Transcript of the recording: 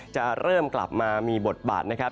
จะเริ่มกลับมามีบทบาทนะครับ